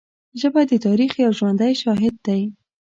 ژبه د تاریخ یو ژوندی شاهد دی